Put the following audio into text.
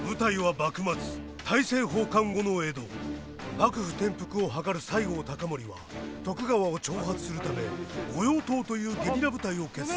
幕府転覆を謀る西郷隆盛は徳川を挑発するため御用盗というゲリラ部隊を結成。